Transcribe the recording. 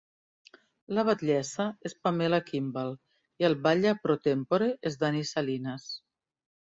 La batllessa és Pamela Kimball, i el batlle pro tempore és Danny Salinas.